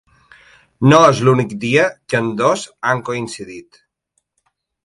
No és l’únic dia que ambdós han coincidit.